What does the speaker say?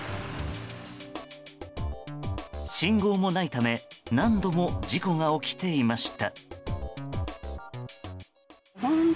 信号もないため何度も事故が起きていました。